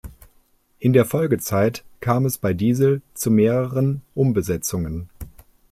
In der Folgezeit kam es bei Diesel zu mehreren Umbesetzungen.